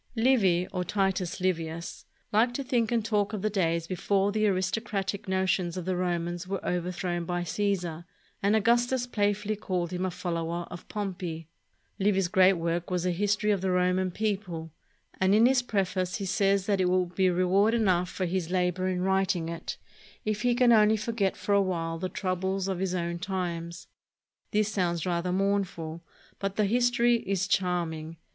Livy, or Titus Livius, liked to think and talk of the days before the aristocratic notions of the Romans were overthrown by Caesar, and Augustus playfully called him a follower of Pompey. Livy's great work was a his tory of the Roman people; and in his preface he says that it will be reward enough for his labor in writing it if he can only forget for a while the troubles of his own times. This sounds rather mournful, but the history is charming.